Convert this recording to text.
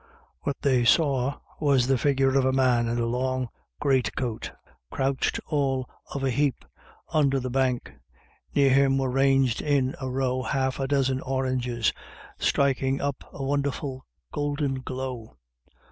What they saw was the figure of a man in a long great coat, " crooched all of a hape " under the 306 IRISH IDYLLS. bank. Near him were ranged in a row half a dozen oranges, striking up a wonderful golden glow.